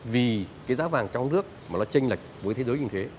vì cái giá vàng trong nước mà nó tranh lệch với thế giới như thế